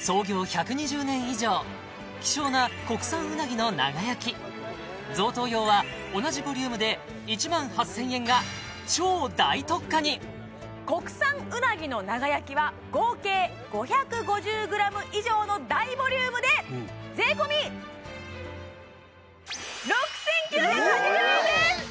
創業１２０年以上希少な国産うなぎの長焼き贈答用は同じボリュームで１万８０００円が超大特価に国産うなぎの長焼きは合計５５０ｇ以上の大ボリュームで税込ええっ！